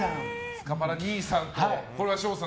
スカパラ兄さん。